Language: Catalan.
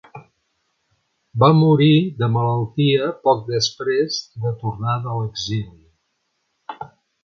Va morir de malaltia poc després de tornar de l'exili.